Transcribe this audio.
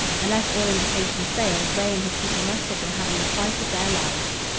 Unless all indications failed, Ray and his people must have been having the fight of their lives.